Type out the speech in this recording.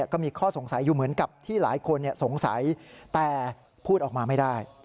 ก็มีข้อสงสัยอยู่เหมือนกับที่หลายคนสงสัยแต่พูดออกมาไม่ได้